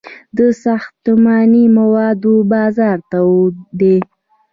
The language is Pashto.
د ساختماني موادو بازار تود دی